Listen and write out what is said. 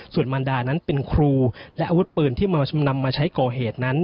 ส่วนมารดานั้นเป็นครูและอาวุธปืนที่นำมาใช้ก่อเหตุนั้น